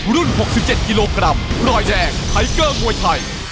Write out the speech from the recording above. ๖๗กิโลกรัมรอยแดงไทเกอร์มวยไทย